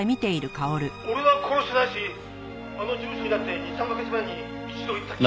「俺は殺してないしあの事務所にだって２３カ月前に一度行ったきりだ」